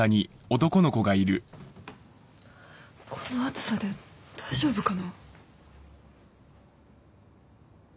この暑さで大丈夫かな？